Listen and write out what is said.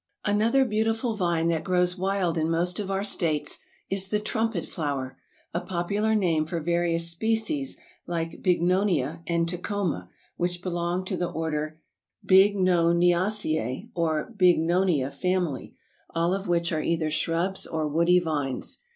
Another beautiful vine that grows wild in most of our states is the Trumpet Flower, a popular name for various species of Bignonia and Tecoma, which belong to the other Bignoniaaceæ or Bignonia family, all of which are either shrubs or woody vines.